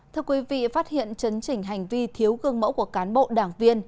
thưa quý vị phát hiện chấn chỉnh hành vi thiếu gương mẫu của cán bộ đảng viên